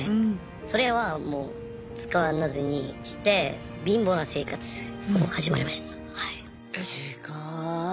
それはもう使わずにして貧乏な生活を始まりました。